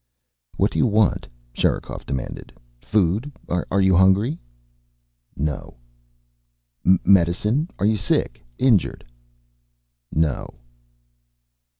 "What do you want?" Sherikov demanded. "Food? Are you hungry?" "No." "Medicine? Are you sick? Injured?" "No."